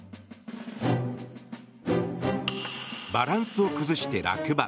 バランスを崩して落馬。